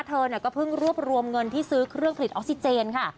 เธอก็เพิ่งรวบรวมเงินที่ซื้อเครื่องผลิตออกซิเจนค่ะ